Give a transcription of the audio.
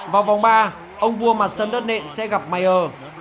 vào vòng ba ông vua mặt sân đất nện sẽ gặp mayer